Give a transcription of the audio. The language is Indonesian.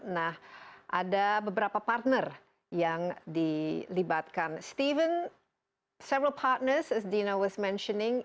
nah ada beberapa partner yang dilibatkan steven several partners as dina was mentioning